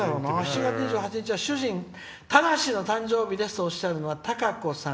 「７月２８日は主人たかしの誕生日です」とおっしゃるのはたかこさん。